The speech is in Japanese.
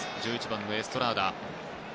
１１番のエストラーダ。